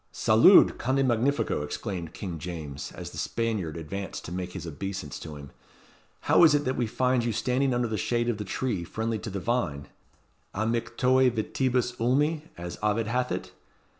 "Salud! Conde magnifico!" exclaimed King James, as the Spaniard advanced to make his obeisance to him; "how is it that we find you standing under the shade of the tree friendly to the vine, amictoe vitibus ulmi as Ovid hath it?